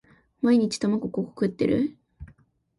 毎日卵五個食ってる？